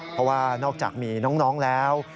เพราะว่านอกจากมีน้องแล้ว